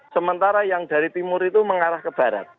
sementara yang dari timur itu mengarah ke barat